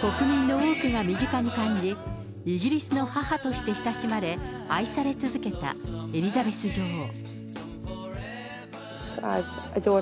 国民の多くが身近に感じ、イギリスの母として親しまれ、愛され続けたエリザベス女王。